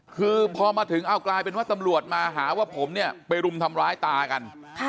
คือพอมาถึงเอากลายเป็นว่าตำรวจมาหาว่าผมเนี่ยไปรุมทำร้ายตากัน